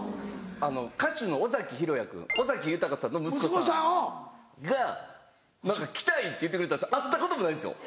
歌手の尾崎裕哉君尾崎豊さんの息子さんが来たいって言ってくれたんです会ったこともないんですよ。